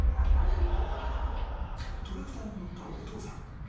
［トラクターに乗ったお父さん］